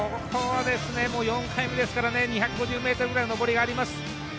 ここは４回目ですからね、２００ｍぐらい上りがあります。